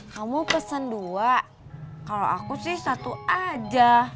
kamu pesen dua kalau aku sih satu aja